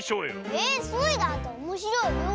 えっスイだっておもしろいよ！